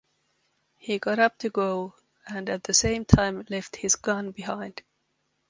He got up to go and at the same time left his gun behind.